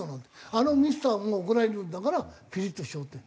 あのミスターも怒られるんだからピリッとしちゃうって。